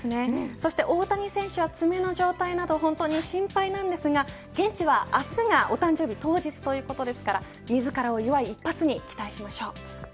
そして大谷選手は爪の状態など本当に心配なんですが現地は明日が、お誕生日当日ということですから自らを祝い一発に期待しましょう。